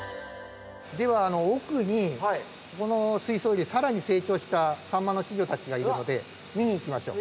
ではあの奥にこの水槽より更に成長したサンマの稚魚たちがいるので見に行きましょう。